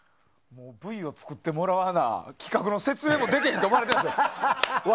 Ｖを作ってもらわな企画の説明もできへんと思われてますよ。